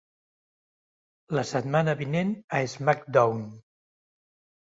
La setmana vinent, a SmackDown!